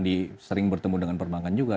di sering bertemu dengan perbankan juga